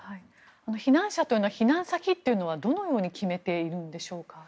避難者というのは避難先というのはどのように決めているんでしょうか。